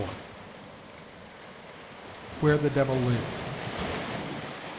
WHERE THE DEVIL LIVED.